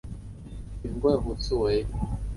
云桂虎刺为茜草科虎刺属下的一个种。